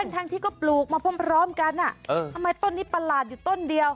ทั้งที่ก็ปลูกมาพร้อมกันทำไมต้นนี้ประหลาดอยู่ต้นเดียว